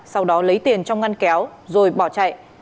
sau đó lấy tiền trong ngăn kéo rồi bỏ chạy